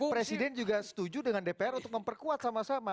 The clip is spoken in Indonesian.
presiden juga setuju dengan dpr untuk memperkuat sama sama